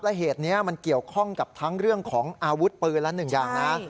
และเหตุนี้มันเกี่ยวข้องกับทั้งเรื่องของอาวุธปืนและหนึ่งอย่างนะ